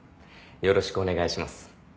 よろしくお願いします。